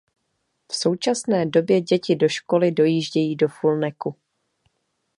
V současné době děti do školy dojíždějí do Fulneku.